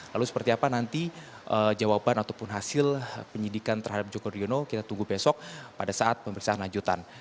lalu seperti apa nanti jawaban ataupun hasil penyidikan terhadap joko riono kita tunggu besok pada saat pemeriksaan lanjutan